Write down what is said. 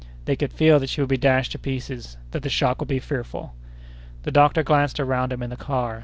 They could feel that she would be dashed to pieces—that the shock would be fearful. The doctor glanced around him in the car.